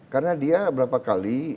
karena dia beberapa kali